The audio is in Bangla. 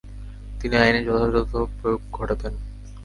তিনি আইনের যথাযথ প্রয়োগ ঘটাতেন।